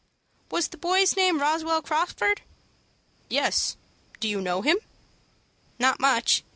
"Was the boy's name Roswell Crawford?" "Yes; do you know him?" "Not much.